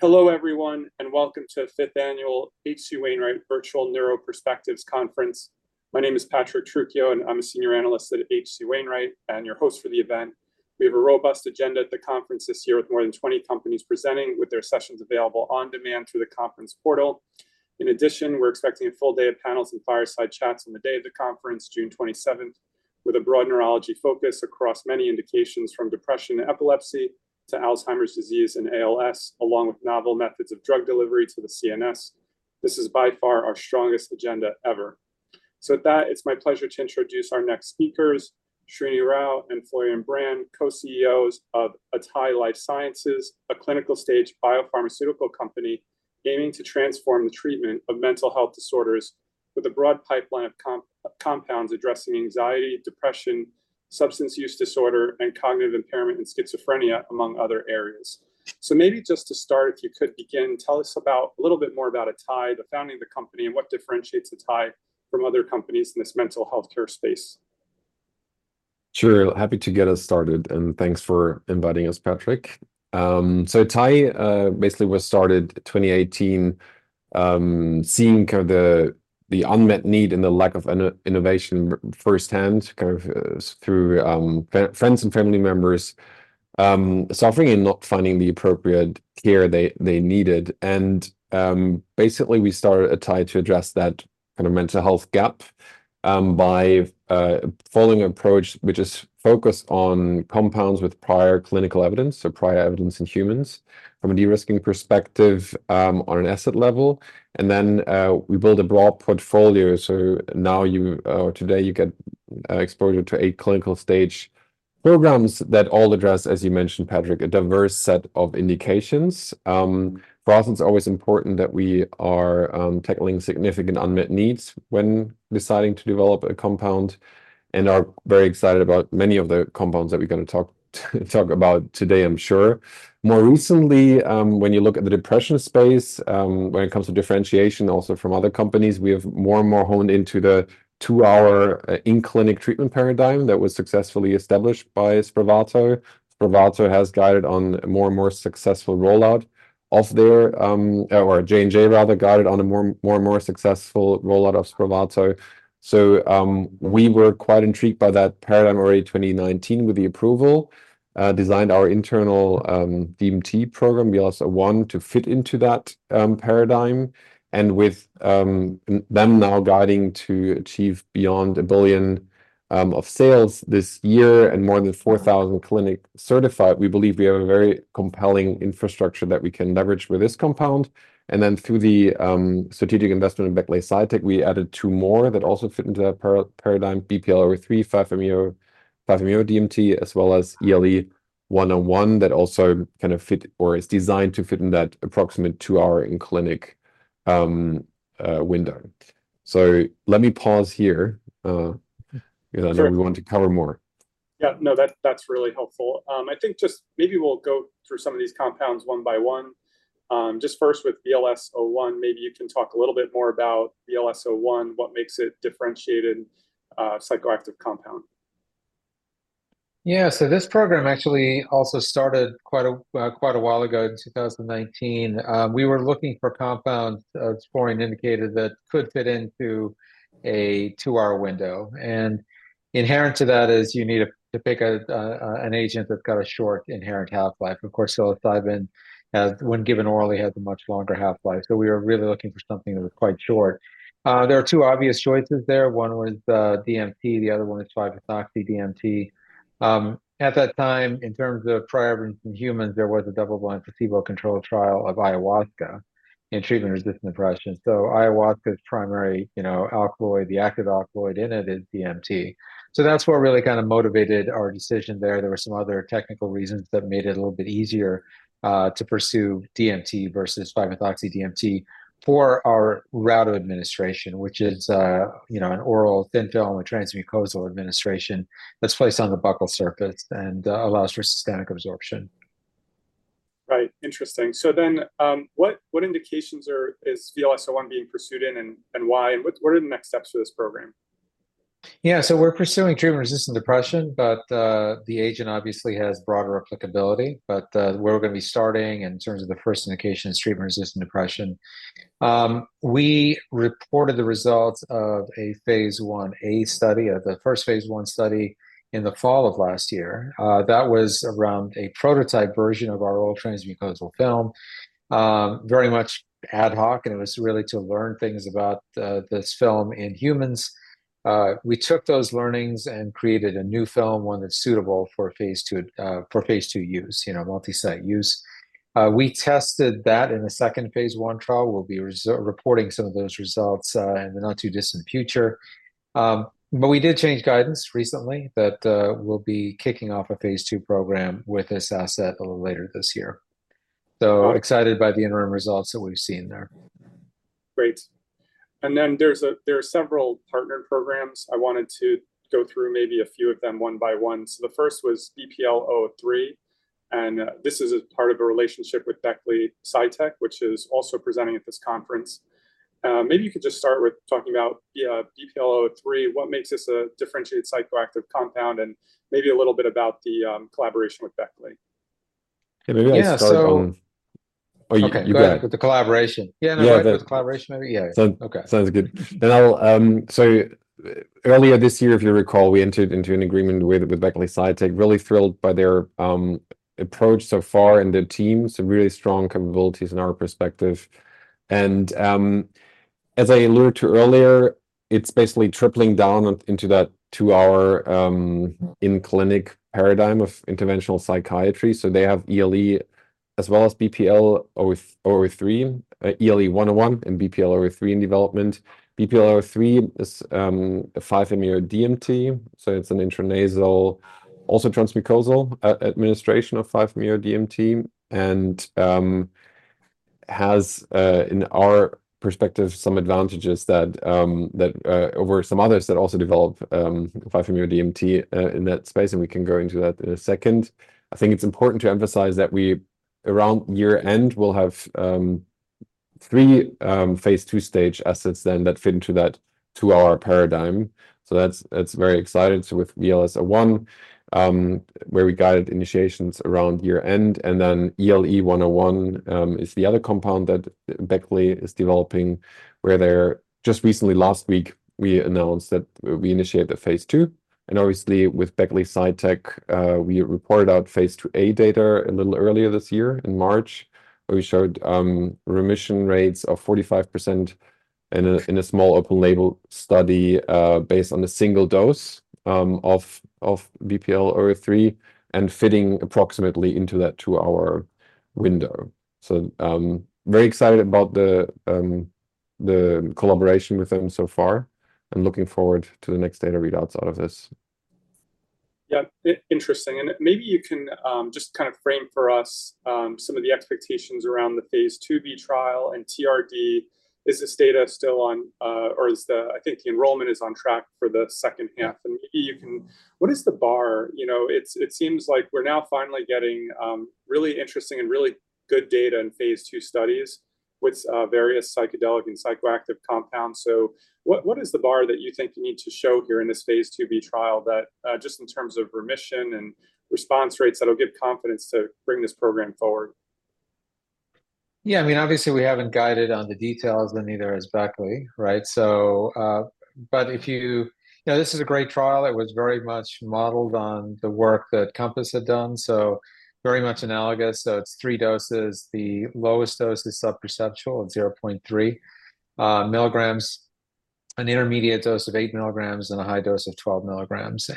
Hello, everyone, and welcome to the fifth annual H.C. Wainwright Virtual Neuro Perspectives Conference. My name is Patrick Trucchio, and I'm a senior analyst at H.C. Wainwright and your host for the event. We have a robust agenda at the conference this year, with more than 20 companies presenting, with their sessions available on demand through the conference portal. In addition, we're expecting a full day of panels and fireside chats on the day of the conference, June twenty-seventh, with a broad neurology focus across many indications, from depression and epilepsy to Alzheimer's disease and ALS, along with novel methods of drug delivery to the CNS. This is by far our strongest agenda ever. So with that, it's my pleasure to introduce our next speakers, Srini Rao and Florian Brand, co-CEOs of atai Life Sciences, a clinical-stage biopharmaceutical company aiming to transform the treatment of mental health disorders with a broad pipeline of compounds addressing anxiety, depression, substance use disorder, and cognitive impairment and schizophrenia, among other areas. So maybe just to start, if you could begin, tell us about, a little bit more about atai, the founding of the company, and what differentiates atai from other companies in this mental health care space. Sure. Happy to get us started, and thanks for inviting us, Patrick. So atai basically was started 2018, seeing kind of the unmet need and the lack of innovation firsthand, kind of through friends and family members suffering and not finding the appropriate care they needed. And basically, we started atai to address that kind of mental health gap by following an approach which is focused on compounds with prior clinical evidence, so prior evidence in humans, from a de-risking perspective, on an asset level. And then we built a broad portfolio, so now today you get exposure to 8 clinical stage programs that all address, as you mentioned, Patrick, a diverse set of indications. For us, it's always important that we are tackling significant unmet needs when deciding to develop a compound and are very excited about many of the compounds that we're going to talk about today, I'm sure. More recently, when you look at the depression space, when it comes to differentiation, also from other companies, we have more and more honed into the 2-hour in-clinic treatment paradigm that was successfully established by Spravato. Spravato has guided on more and more successful rollout of their or J&J, rather, guided on a more and more successful rollout of Spravato. So, we were quite intrigued by that paradigm already 2019, with the approval, designed our internal DMT program. We also want to fit into that paradigm. With them now guiding to achieve beyond $1 billion of sales this year and more than 4,000 clinics certified, we believe we have a very compelling infrastructure that we can leverage with this compound. And then through the strategic investment in Beckley Psytech, we added two more that also fit into that paradigm, BPL-003, 5-MeO-DMT, as well as ELE-101, that also kind of fit or is designed to fit in that approximate 2-hour in-clinic window. So let me pause here because I know you want to cover more. Yeah, no, that, that's really helpful. I think just maybe we'll go through some of these compounds one by one. Just first with VLS-01, maybe you can talk a little bit more about VLS-01, what makes it differentiated, psychoactive compound. Yeah, so this program actually also started quite a, quite a while ago in 2019. We were looking for compounds, exploring indicators that could fit into a two-hour window. And inherent to that is you need to, to pick a, an agent that's got a short inherent half-life. Of course, psilocybin has, when given orally, a much longer half-life, so we were really looking for something that was quite short. There are two obvious choices there. One was, DMT, the other one is 5-methoxy-DMT. At that time, in terms of prior evidence in humans, there was a double-blind, placebo-controlled trial of ayahuasca in treatment-resistant depression. So ayahuasca's primary, you know, alkaloid, the active alkaloid in it is DMT. So that's what really kind of motivated our decision there. There were some other technical reasons that made it a little bit easier to pursue DMT versus 5-methoxy-DMT for our route of administration, which is, you know, an oral thin film, a transmucosal administration, that's placed on the buccal surface and allows for systemic absorption. Right. Interesting. So then, what indications is VLS-01 being pursued in, and why? What are the next steps for this program? Yeah, so we're pursuing treatment-resistant depression, but the agent obviously has broader applicability. But we're going to be starting in terms of the first indication is treatment-resistant depression. We reported the results of a phase 1A study, the first phase 1 study, in the fall of last year. That was around a prototype version of our oral transmucosal film, very much ad hoc, and it was really to learn things about this film in humans. We took those learnings and created a new film, one that's suitable for phase 2, for phase 2 use, you know, multi-site use. We tested that in the second phase 1 trial. We'll be reporting some of those results in the not-too-distant future. We did change guidance recently that we'll be kicking off a phase 2 program with this asset a little later this year. Oh. So excited by the interim results that we've seen there. Great. And then there are several partnered programs. I wanted to go through maybe a few of them one by one. So the first was BPL-003, and this is a part of a relationship with Beckley Psytech, which is also presenting at this conference. Maybe you could just start with talking about, yeah, BPL-003, what makes this a differentiated psychoactive compound, and maybe a little bit about the collaboration with Beckley?... Yeah, so- Okay, go ahead with the collaboration. Yeah. Yeah, with the collaboration maybe? Yeah. Sounds- Okay. Sounds good. Then I'll so earlier this year, if you recall, we entered into an agreement with Beckley Psytech, really thrilled by their approach so far and their team. Some really strong capabilities in our perspective. And as I alluded to earlier, it's basically tripling down into that 2-hour in-clinic paradigm of interventional psychiatry. So they have ELE as well as BPL-003, ELE-101 and BPL-003 in development. BPL-003 is a 5-MeO-DMT, so it's an intranasal, also transmucosal administration of 5-MeO-DMT, and has in our perspective, some advantages that over some others that also develop 5-MeO-DMT in that space, and we can go into that in a second. I think it's important to emphasize that we, around year-end, will have 3 phase 2-stage assets then that fit into that two-hour paradigm, so that's, that's very exciting. So with VLS-01, where we guided initiations around year-end, and then ELE-101 is the other compound that Beckley is developing. Just recently, last week, we announced that we initiated the phase 2, and obviously, with Beckley Psytech, we reported out phase 2A data a little earlier this year, in March, where we showed remission rates of 45% in a small open-label study based on a single dose of BPL-003, and fitting approximately into that two-hour window. So, very excited about the collaboration with them so far, and looking forward to the next data readouts out of this. Yeah, interesting, and maybe you can just kind of frame for us some of the expectations around the phase 2B trial and TRD. Is this data still on, or I think the enrollment is on track for the second half, and maybe you can What is the bar? You know, it's, it seems like we're now finally getting really interesting and really good data in phase 2 studies with various psychedelic and psychoactive compounds. So what, what is the bar that you think you need to show here in this phase 2B trial that just in terms of remission and response rates, that'll give confidence to bring this program forward? Yeah, I mean, obviously, we haven't guided on the details, and neither has Beckley, right? So, but if you... You know, this is a great trial. It was very much modeled on the work that Compass had done, so very much analogous. So it's 3 doses. The lowest dose is sub-perceptual at 0.3 milligrams, an intermediate dose of 8 milligrams, and a high dose of 12 milligrams.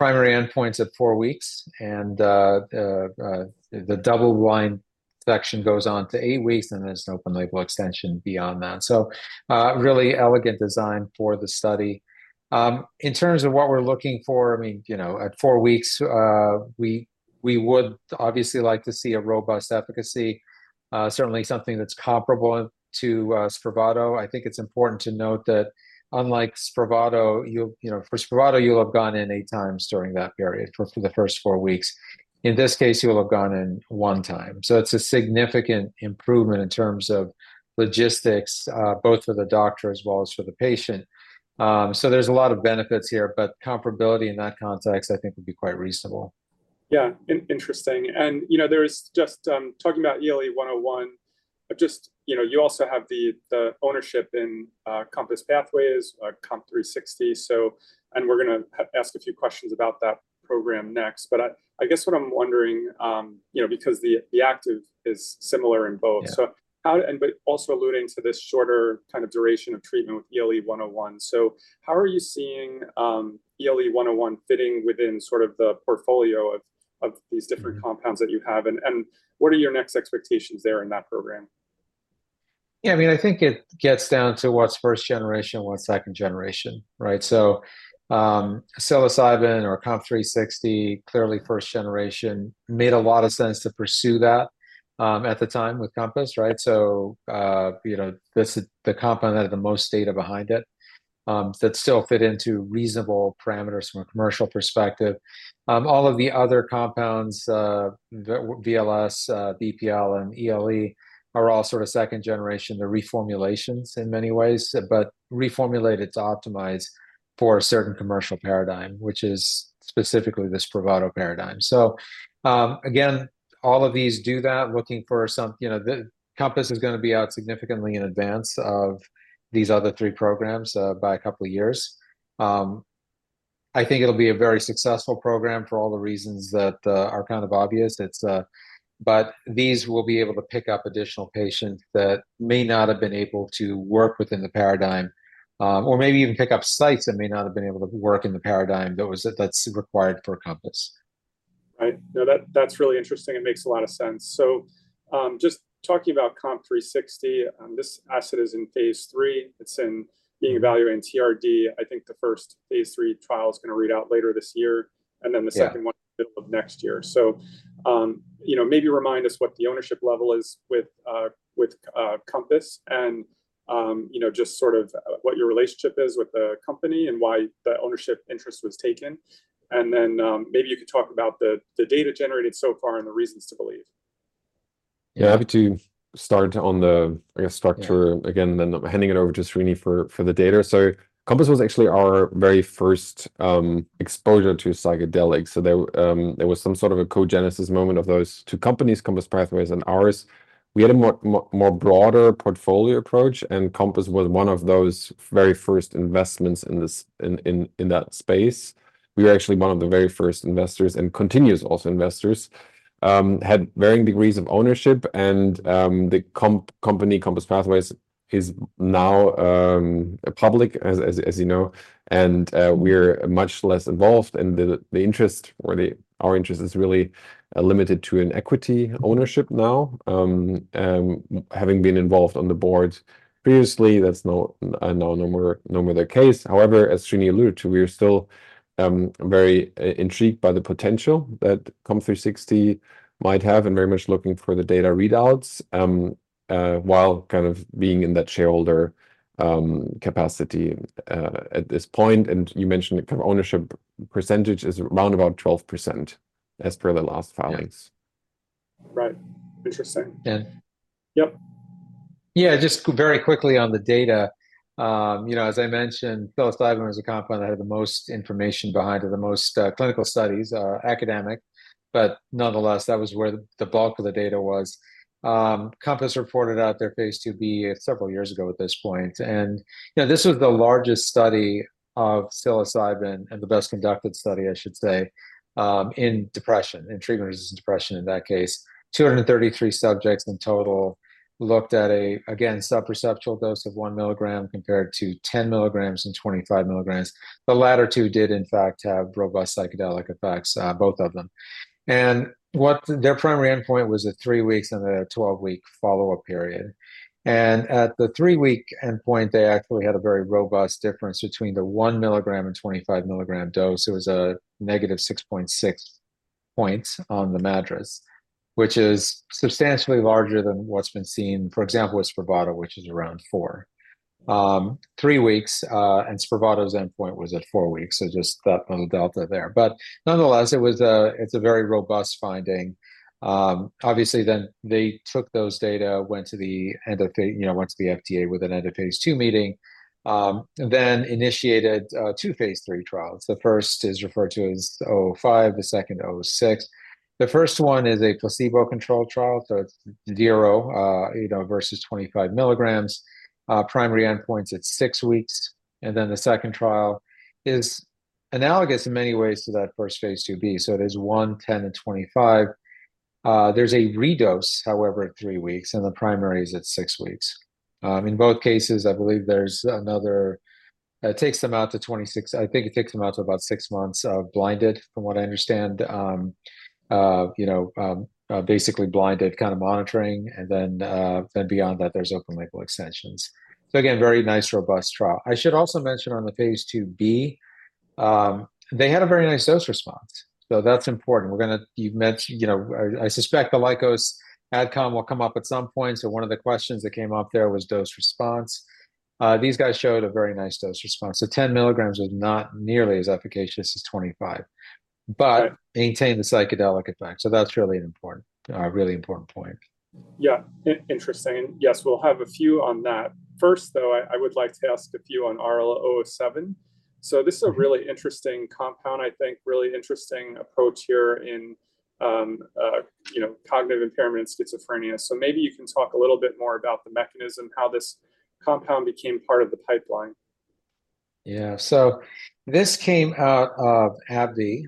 Primary endpoints at 4 weeks, and the double-blind section goes on to 8 weeks, and there's an open-label extension beyond that. So, really elegant design for the study. In terms of what we're looking for, I mean, you know, at 4 weeks, we would obviously like to see a robust efficacy, certainly something that's comparable to Spravato. I think it's important to note that unlike Spravato, you'll... You know, for Spravato, you'll have gone in 8 times during that period, for the first 4 weeks. In this case, you'll have gone in 1 time. So it's a significant improvement in terms of logistics, both for the doctor as well as for the patient. So there's a lot of benefits here, but comparability in that context, I think, would be quite reasonable. Yeah, interesting. And, you know, there's just... Talking about ELE-101, just, you know, you also have the ownership in Compass Pathways, COMP360, so... And we're gonna ask a few questions about that program next. But I guess what I'm wondering, you know, because the active is similar in both- Yeah... so how, and but also alluding to this shorter kind of duration of treatment with ELE-101. So how are you seeing ELE-101 fitting within sort of the portfolio of these different compounds that you have, and what are your next expectations there in that program? Yeah, I mean, I think it gets down to what's first generation and what's second generation, right? So, psilocybin or COMP360, clearly first generation. Made a lot of sense to pursue that, at the time with Compass, right? So, you know, this is the compound that had the most data behind it, that still fit into reasonable parameters from a commercial perspective. All of the other compounds, the VLS, BPL, and ELE, are all sort of second generation. They're reformulations in many ways, but reformulated to optimize for a certain commercial paradigm, which is specifically the Spravato paradigm. So, again, all of these do that, looking for some, you know... The Compass is gonna be out significantly in advance of these other three programs, by a couple of years. I think it'll be a very successful program for all the reasons that are kind of obvious. It's but these will be able to pick up additional patients that may not have been able to work within the paradigm, or maybe even pick up sites that may not have been able to work in the paradigm that was, that's required for Compass. Right. No, that, that's really interesting, and makes a lot of sense. So, just talking about COMP360, this asset is in phase 3. It's in, being evaluated in TRD. I think the first phase 3 trial is gonna read out later this year- Yeah... and then the second one middle of next year. So, you know, maybe remind us what the ownership level is with Compass and, you know, just sort of what your relationship is with the company and why the ownership interest was taken. And then, maybe you could talk about the data generated so far and the reasons to believe. ... Yeah, happy to start on the, I guess, structure again, and then handing it over to Srini for the data. So Compass was actually our very first exposure to psychedelics. So there was some sort of a co-genesis moment of those two companies, Compass Pathways and ours. We had a more broader portfolio approach, and Compass was one of those very first investments in this, in, in that space. We were actually one of the very first investors, and continues also investors. Had varying degrees of ownership, and the company, Compass Pathways, is now public, as you know, and we're much less involved, and the interest or our interest is really limited to an equity ownership now. Having been involved on the board previously, that's no more the case. However, as Srini alluded to, we are still very intrigued by the potential that COMP360 might have and very much looking for the data readouts while kind of being in that shareholder capacity at this point. And you mentioned the kind of ownership percentage is around about 12%, as per the last filings. Yeah. Right. Interesting. Yeah. Yep. Yeah, just very quickly on the data, you know, as I mentioned, psilocybin is a compound that had the most information behind it, the most, clinical studies are academic, but nonetheless, that was where the, the bulk of the data was. Compass reported out their phase 2b several years ago at this point, and, you know, this was the largest study of psilocybin and the best-conducted study, I should say, in depression, in treatment-resistant depression, in that case. 233 subjects in total looked at a, again, sub-perceptual dose of 1 milligram compared to 10 milligrams and 25 milligrams. The latter two did, in fact, have robust psychedelic effects, both of them. And their primary endpoint was 3 weeks, then they had a 12-week follow-up period. At the 3-week endpoint, they actually had a very robust difference between the 1 milligram and 25 milligram dose. It was a -6.6 points on the MADRS, which is substantially larger than what's been seen, for example, with Spravato, which is around 4. Three weeks, and Spravato's endpoint was at 4 weeks, so just that little delta there. But nonetheless, it was a, it's a very robust finding. Obviously, then they took those data, went to the end of phase. You know, went to the FDA with an end-of-phase 2 meeting, and then initiated 2 phase 3 trials. The first is referred to as 05, the second, 06. The first one is a placebo-controlled trial, so it's 0, you know, versus 25 milligrams. Primary endpoints, it's 6 weeks, and then the second trial is analogous in many ways to that first phase 2b. So there's 1, 10, and 25. There's a redose, however, at 3 weeks, and the primary is at 6 weeks. In both cases, I believe it takes them out to 26. I think it takes them out to about 6 months of blinded, from what I understand. You know, basically blinded kind of monitoring, and then beyond that, there's open label extensions. So again, very nice, robust trial. I should also mention on the phase 2b, they had a very nice dose response, so that's important. You've mentioned, you know, I suspect the Lykos AdCom will come up at some point, so one of the questions that came up there was dose response. These guys showed a very nice dose response, so 10 milligrams is not nearly as efficacious as 25- Right... but maintained the psychedelic effect, so that's really an important, really important point. Yeah, interesting. Yes, we'll have a few on that. First, though, I would like to ask a few on RL-007. So this is a really interesting compound, I think, really interesting approach here in, you know, cognitive impairment in schizophrenia. So maybe you can talk a little bit more about the mechanism, how this compound became part of the pipeline. Yeah. So this came out of AbbVie,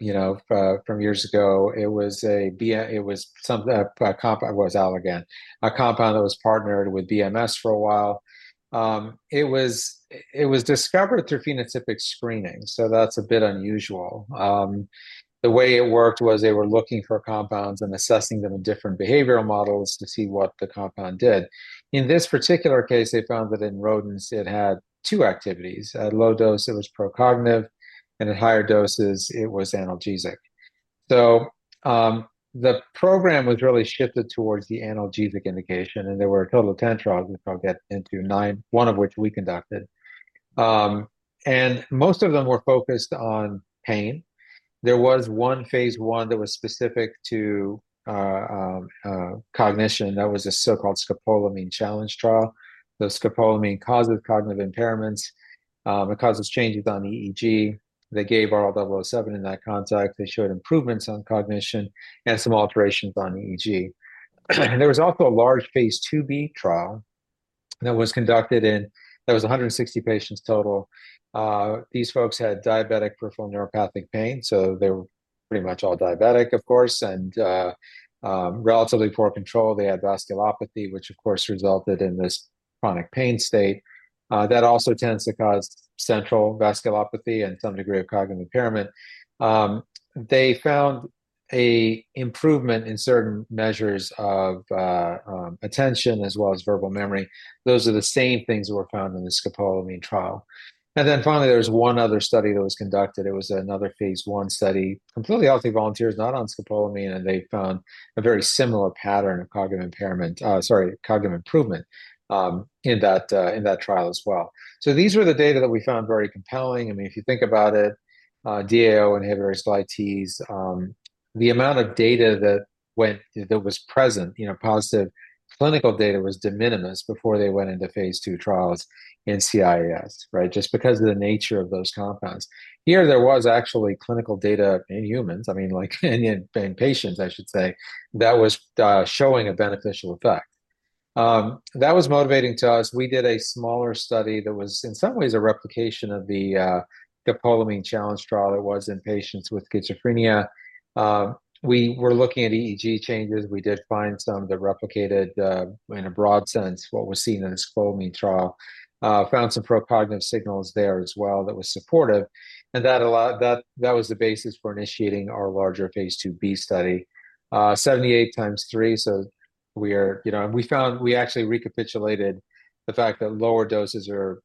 you know, from years ago. It was a compound. It was Allergan, a compound that was partnered with BMS for a while. It was discovered through phenotypic screening, so that's a bit unusual. The way it worked was they were looking for compounds and assessing them in different behavioral models to see what the compound did. In this particular case, they found that in rodents, it had 2 activities. At low dose, it was pro-cognitive, and at higher doses, it was analgesic. So, the program was really shifted towards the analgesic indication, and there were a total of 10 trials, which I'll get into, 9, 1 of which we conducted. And most of them were focused on pain. There was one phase 1 that was specific to cognition. That was a so-called scopolamine challenge trial. The scopolamine causes cognitive impairments, it causes changes on EEG. They gave RL-007 in that context. They showed improvements on cognition and some alterations on EEG. And there was also a large phase 2b trial that was conducted. There was 160 patients total. These folks had diabetic peripheral neuropathic pain, so they were pretty much all diabetic, of course, and relatively poor control. They had vasculopathy, which of course, resulted in this chronic pain state. That also tends to cause central vasculopathy and some degree of cognitive impairment. They found a improvement in certain measures of attention as well as verbal memory. Those are the same things that were found in the scopolamine trial. Then finally, there was one other study that was conducted. It was another phase 1 study, completely healthy volunteers, not on scopolamine, and they found a very similar pattern of cognitive impairment, sorry, cognitive improvement, in that trial as well. So these were the data that we found very compelling. I mean, if you think about it, DAO inhibitors, GlyT1s, the amount of data that was present, you know, positive clinical data was de minimis before they went into phase 2 trials in CNS, right? Just because of the nature of those compounds. Here, there was actually clinical data in humans, I mean, like in patients, I should say, that was showing a beneficial effect. That was motivating to us. We did a smaller study that was, in some ways, a replication of the scopolamine challenge trial that was in patients with schizophrenia. We were looking at EEG changes. We did find some that replicated, in a broad sense, what was seen in the scopolamine trial. Found some pro-cognitive signals there as well that was supportive, and that allowed, that, that was the basis for initiating our larger phase 2b study. 78 times 3, so we are... You know, and we found, we actually recapitulated the fact that lower doses are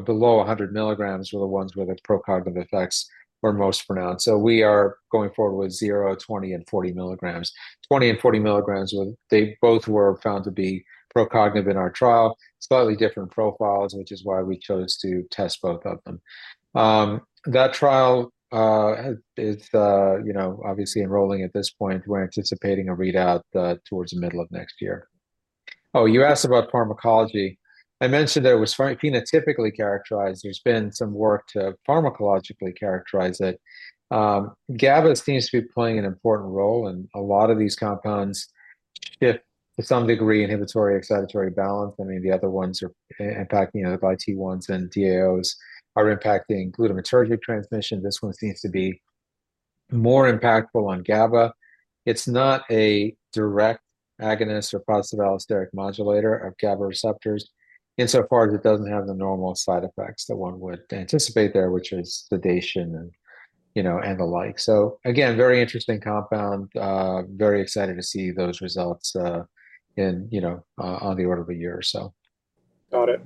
below 100 milligrams were the ones where the pro-cognitive effects were most pronounced. So we are going forward with 0, 20, and 40 milligrams. 20 and 40 milligrams were, they both were found to be pro-cognitive in our trial. Slightly different profiles, which is why we chose to test both of them. That trial, you know, is obviously enrolling at this point. We're anticipating a readout towards the middle of next year. Oh, you asked about pharmacology. I mentioned that it was phenotypically characterized. There's been some work to pharmacologically characterize it. GABA seems to be playing an important role in a lot of these compounds. If to some degree, inhibitory, excitatory balance, I mean, the other ones are impacting, you know, the GlyT1s and DAOs are impacting glutamatergic transmission. This one seems to be more impactful on GABA. It's not a direct agonist or positive allosteric modulator of GABA receptors, insofar as it doesn't have the normal side effects that one would anticipate there, which is sedation and, you know, and the like. So again, very interesting compound. Very excited to see those results, in, you know, on the order of a year or so. Got it.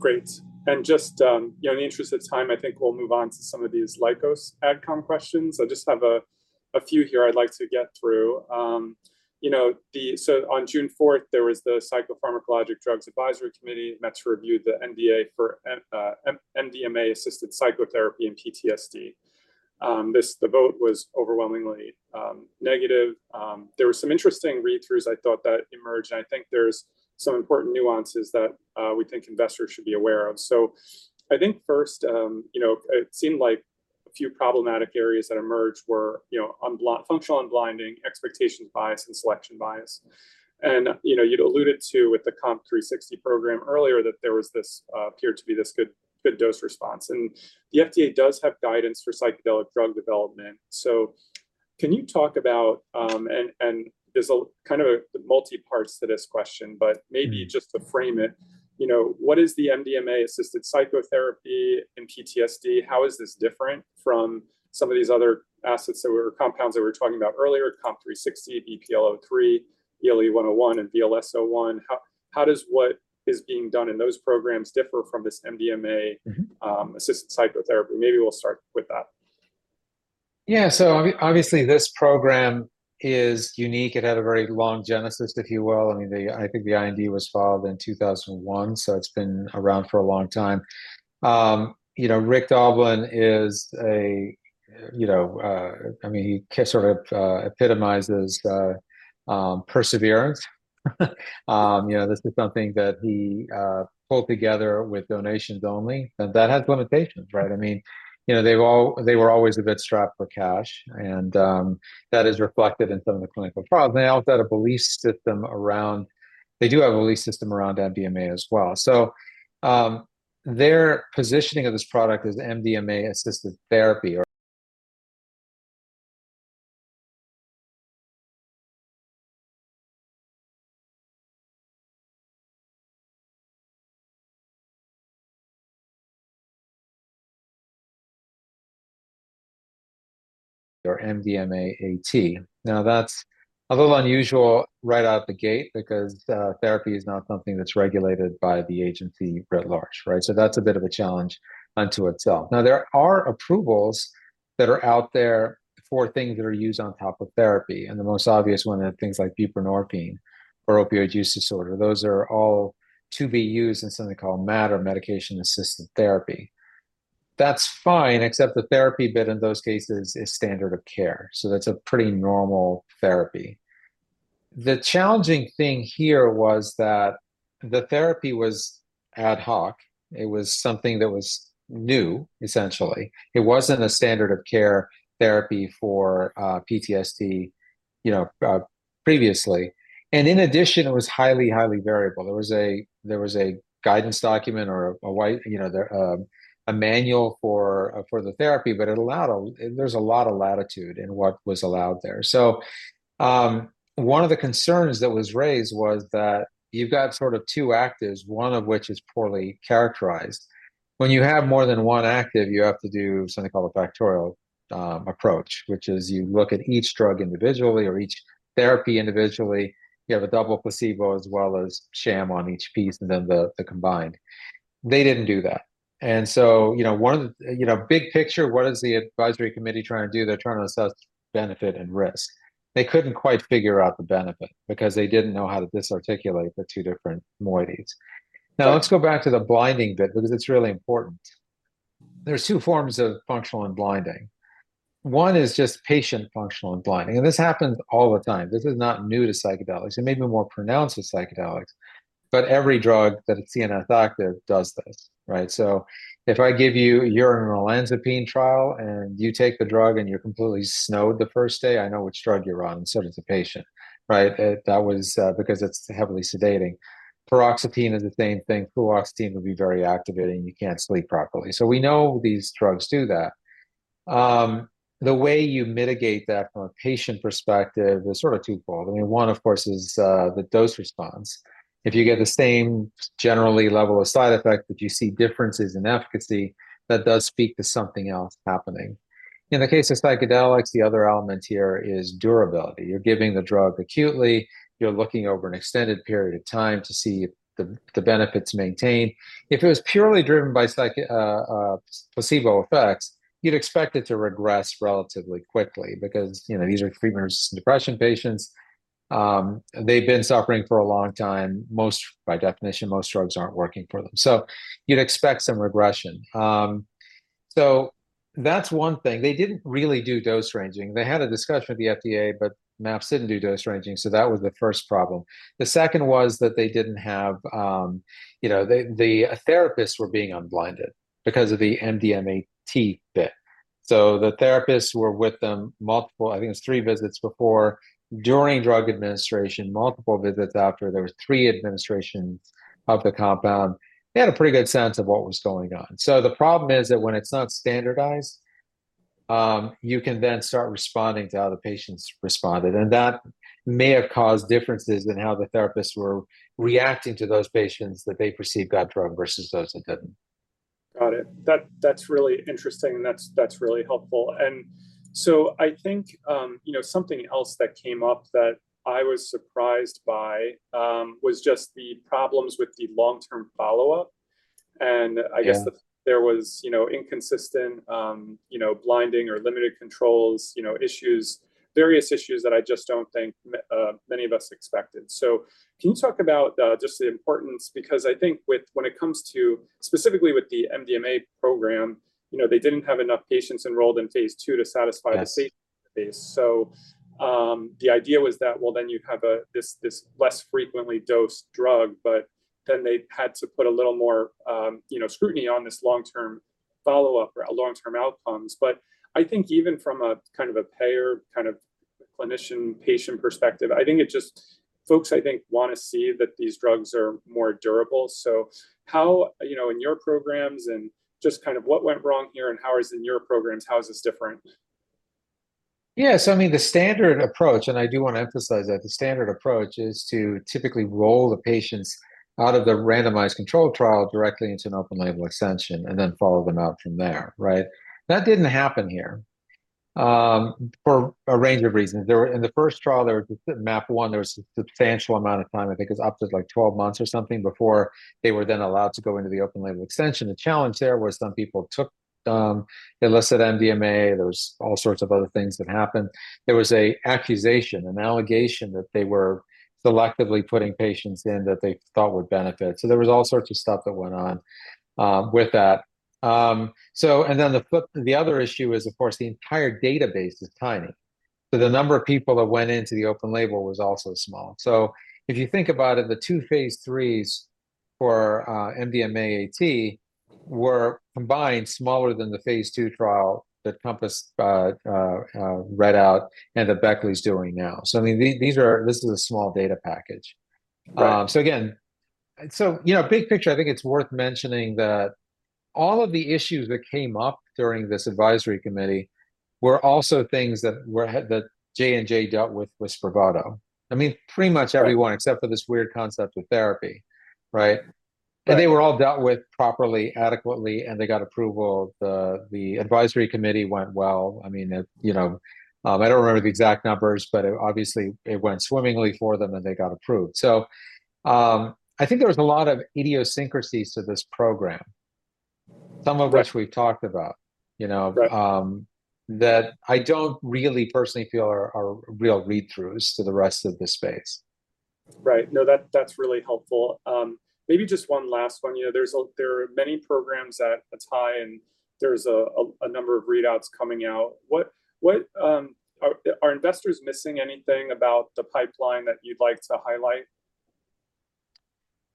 Great. And just, you know, in the interest of time, I think we'll move on to some of these Lykos Adcom questions. I just have a few here I'd like to get through. You know, so on June fourth, there was the Psychopharmacologic Drugs Advisory Committee that's reviewed the NDA for MDMA-assisted psychotherapy and PTSD. The vote was overwhelmingly negative. There were some interesting read-throughs I thought that emerged, and I think there's some important nuances that we think investors should be aware of. So I think first, you know, it seemed like a few problematic areas that emerged were, you know, functional unblinding, expectations bias, and selection bias. And, you know, you'd alluded to with the COMP360 program earlier, that there was this, appeared to be this good, good dose response. And the FDA does have guidance for psychedelic drug development. So can you talk about... And, and there's a kind of a multi parts to this question, but maybe- Mm-hmm... just to frame it, you know, what is the MDMA-assisted psychotherapy in PTSD? How is this different from some of these other assets, compounds that we were talking about earlier, COMP360, BPL-003, ELE-101, and VLS-01. How does what is being done in those programs differ from this MDMA- Mm-hmm... assisted psychotherapy? Maybe we'll start with that. Yeah. So obviously, this program is unique. It had a very long genesis, if you will. I mean, I think the IND was filed in 2001, so it's been around for a long time. You know, Rick Doblin is a, you know, I mean, he sort of epitomizes perseverance. You know, this is something that he pulled together with donations only, and that has limitations, right? I mean, you know, they were always a bit strapped for cash, and that is reflected in some of the clinical trials. They also had a belief system around. They do have a belief system around MDMA as well. So, their positioning of this product is MDMA-assisted therapy or or MDMA-AT. Now, that's a little unusual right out the gate because therapy is not something that's regulated by the agency writ large, right? So that's a bit of a challenge unto itself. Now, there are approvals that are out there for things that are used on top of therapy, and the most obvious one are things like buprenorphine or opioid use disorder. Those are all to be used in something called MAT or Medication Assisted Therapy. That's fine, except the therapy bit in those cases is standard of care, so that's a pretty normal therapy. The challenging thing here was that the therapy was ad hoc. It was something that was new, essentially. It wasn't a standard of care therapy for PTSD, you know, previously, and in addition, it was highly, highly variable. There was a guidance document or a wide... You know, a manual for the therapy, but it allowed a—there's a lot of latitude in what was allowed there. So, one of the concerns that was raised was that you've got sort of two actives, one of which is poorly characterized. When you have more than one active, you have to do something called a factorial approach, which is you look at each drug individually or each therapy individually. You have a double placebo as well as sham on each piece, and then the combined. They didn't do that, and so, you know, one of the big picture, what is the advisory committee trying to do? They're trying to assess benefit and risk. They couldn't quite figure out the benefit because they didn't know how to disarticulate the two different moieties. Now, let's go back to the blinding bit, because it's really important. There's two forms of functional unblinding. One is just patient functional unblinding, and this happens all the time. This is not new to psychedelics. It may be more pronounced with psychedelics, but every drug that a CNS out there does this, right? So if I give you an olanzapine trial, and you take the drug, and you're completely snowed the first day, I know which drug you're on, and so does the patient, right? because it's heavily sedating. paroxetine is the same thing. fluoxetine would be very activating, you can't sleep properly. So we know these drugs do that. The way you mitigate that from a patient perspective is sort of twofold. I mean, one, of course, is the dose response. If you get the same generally level of side effect, but you see differences in efficacy, that does speak to something else happening. In the case of psychedelics, the other element here is durability. You're giving the drug acutely, you're looking over an extended period of time to see if the benefits maintain. If it was purely driven by psych- placebo effects, you'd expect it to regress relatively quickly because, you know, these are treatment-resistant depression patients. They've been suffering for a long time. Most, by definition, most drugs aren't working for them. So you'd expect some regression. So that's one thing. They didn't really do dose ranging. They had a discussion with the FDA, but MAPS didn't do dose ranging, so that was the first problem. The second was that they didn't have, you know... The therapists were being unblinded because of the MDMA-AT bit. So the therapists were with them multiple, I think it was three visits before, during drug administration, multiple visits after. There were three administrations of the compound. They had a pretty good sense of what was going on. So the problem is that when it's not standardized, you can then start responding to how the patients responded, and that may have caused differences in how the therapists were reacting to those patients that they perceived got drug versus those that didn't. Got it. That's really interesting, and that's really helpful. So I think, you know, something else that came up that I was surprised by was just the problems with the long-term follow-up. Yeah. And I guess there was, you know, inconsistent, you know, blinding or limited controls, you know, issues, various issues that I just don't think many of us expected. So can you talk about just the importance? Because I think with when it comes to, specifically with the MDMA program, you know, they didn't have enough patients enrolled in phase 2 to satisfy- Yes... the safety phase. So, the idea was that, well, then you have a, this, this less frequently dosed drug, but then they had to put a little more, you know, scrutiny on this long-term follow-up or long-term outcomes. But I think even from a kind of a payer, kind of clinician-patient perspective, I think it just, folks, I think, want to see that these drugs are more durable. So how, you know, in your programs and just kind of what went wrong here, and how is in your programs, how is this different? Yeah, so I mean, the standard approach, and I do want to emphasize that the standard approach, is to typically roll the patients out of the randomized control trial directly into an open label extension and then follow them up from there, right? That didn't happen here, for a range of reasons. There were, in the first trial, in MAPP1, there was a substantial amount of time, I think it was up to, like, 12 months or something before they were then allowed to go into the open label extension. The challenge there was some people took illicit MDMA. There was all sorts of other things that happened. There was an accusation, an allegation, that they were selectively putting patients in that they thought would benefit. So there was all sorts of stuff that went on with that. So, and then the other issue is, of course, the entire database is tiny. So the number of people that went into the open label was also small. So if you think about it, the 2 phase 3s for MDMA-AT were combined smaller than the phase 2 trial that Compass read out and that Beckley's doing now. So, I mean, these, these are - this is a small data package. Right. So again, you know, big picture, I think it's worth mentioning that all of the issues that came up during this advisory committee were also things that were... that J&J dealt with, with Spravato. I mean, pretty much everyone- Right... except for this weird concept of therapy, right? Right. And they were all dealt with properly, adequately, and they got approval. The advisory committee went well. I mean, it you know, I don't remember the exact numbers, but obviously, it went swimmingly for them, and they got approved. So, I think there was a lot of idiosyncrasies to this program- Right... some of which we've talked about, you know? Right. That I don't really personally feel are real read-throughs to the rest of the space. Right. No, that's really helpful. Maybe just one last one. You know, there are many programs at atai, and there's a number of readouts coming out. What are investors missing anything about the pipeline that you'd like to highlight?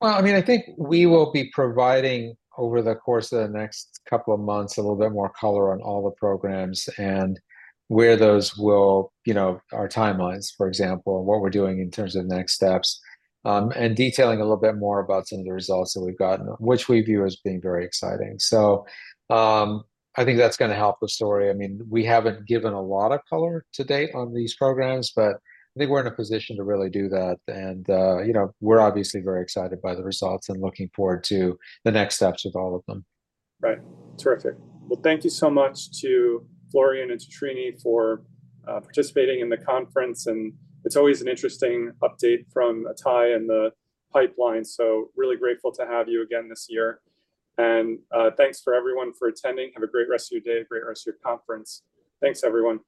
Well, I mean, I think we will be providing, over the course of the next couple of months, a little bit more color on all the programs and where those will... You know, our timelines, for example, and what we're doing in terms of next steps, and detailing a little bit more about some of the results that we've gotten, which we view as being very exciting. So, I think that's gonna help the story. I mean, we haven't given a lot of color to date on these programs, but I think we're in a position to really do that, and, you know, we're obviously very excited by the results and looking forward to the next steps with all of them. Right. Terrific. Well, thank you so much to Florian and to Srinivas for participating in the conference, and it's always an interesting update from atai and the pipeline, so really grateful to have you again this year. And, thanks for everyone for attending. Have a great rest of your day, a great rest of your conference. Thanks, everyone.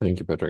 Thank you, Patrick.